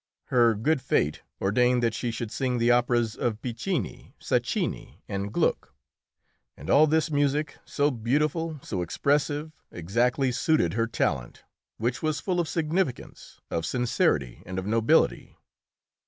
Her good fate ordained that she should sing the operas of Piccini, Sacchini and Gluck, and all this music, so beautiful, so expressive, exactly suited her talent, which was full of significance, of sincerity and of nobility.